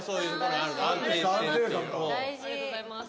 ありがとうございます。